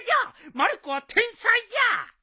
まる子は天才じゃ！